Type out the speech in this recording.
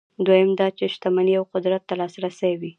دویم دا چې شتمنۍ او قدرت ته لاسرسی وي.